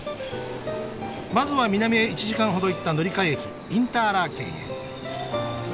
まずは南へ１時間ほど行った乗換駅「インターラーケン」へ。